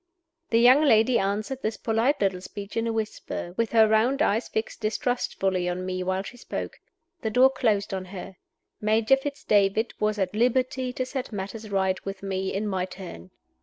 _" The young lady answered this polite little speech in a whisper with her round eyes fixed distrustfully on me while she spoke. The door closed on her. Major Fitz David was a t liberty to set matters right with me, in my turn.